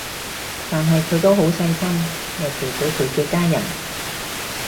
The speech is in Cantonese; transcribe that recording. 但係佢都好細心，尤其對佢嘅家人